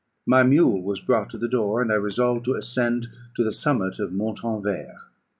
My mule was brought to the door, and I resolved to ascend to the summit of Montanvert.